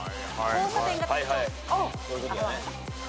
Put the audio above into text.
「交差点が特徴」？